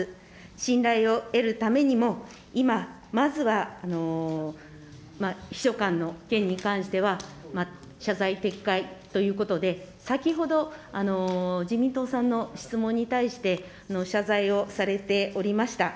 信頼を得るためにも、今、まずは秘書官の件に関しては、謝罪、撤回ということで、先ほど自民党さんの質問に対して、謝罪をされておりました。